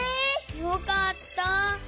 よかった。